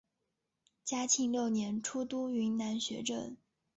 嘉庆六年出督云南学政。